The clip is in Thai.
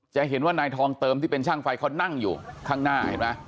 จะเห็นว่านายทองเติมที่เป็นช่างไฟเขานั่งอยู่ข้างหน้าเห็นไหม